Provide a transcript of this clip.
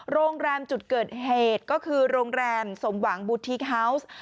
โรงแรมจุดเกิดเหตุก็คือโรงแรมสมหวังบูธิฮาวส์